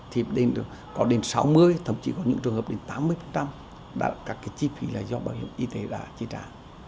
thì có đến sáu mươi thậm chí có những trường hợp đến tám mươi các cái chi phí là do bảo hiểm y tế đã chi trả